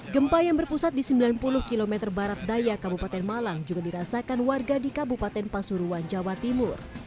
gempa yang berpusat di sembilan puluh km barat daya kabupaten malang juga dirasakan warga di kabupaten pasuruan jawa timur